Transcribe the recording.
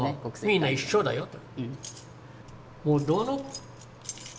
みんな一緒だよと。